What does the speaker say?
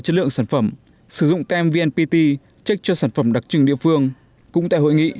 chất lượng sản phẩm sử dụng tem vnpt check cho sản phẩm đặc trưng địa phương cũng tại hội nghị